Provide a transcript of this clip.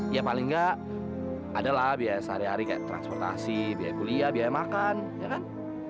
ya paling nggak adalah biaya sehari hari kayak transportasi biaya kuliah biaya makan ya kan